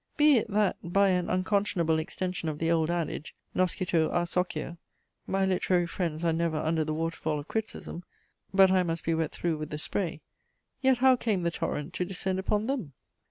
Be it, that, by an unconscionable extension of the old adage, noscitur a socio, my literary friends are never under the water fall of criticism, but I must be wet through with the spray; yet how came the torrent to descend upon them?